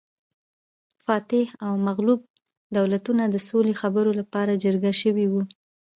فاتح او مغلوب دولتونه د سولې خبرو لپاره جرګه شوي وو